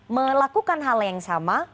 melakukan hal yang sama